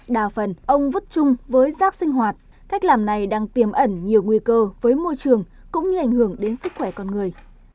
đa phần ông vứt chung với rác sinh hoạt cách làm này đang tiềm ẩn nhiều nguy cơ với môi trường cũng như ảnh hưởng đến sức khỏe con người